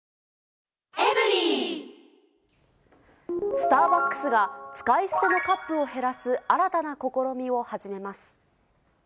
スターバックスが、使い捨てのカップを減らす新たな試みを始めます。